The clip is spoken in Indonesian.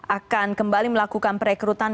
akan kembali melakukan perekrutan